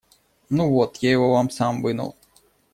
Ну вот, я его вам сам вынул.